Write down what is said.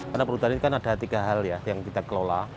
karena perhutani kan ada tiga hal ya yang kita kelola